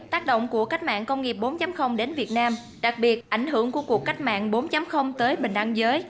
tác động của cách mạng công nghiệp bốn đến việt nam đặc biệt ảnh hưởng của cuộc cách mạng bốn tới bình an giới